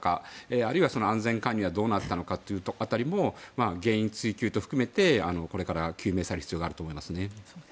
あるいは安全管理はどうなっていたのかという辺りも原因追及と含めてこれから究明される必要があると思います。